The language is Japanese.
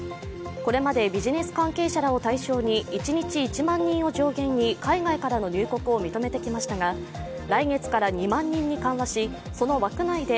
これまでビジネス関係者らを対象に一日１万人を上限に海外からの入国を認めてきましたが、来月から２万人に緩和し、その枠内で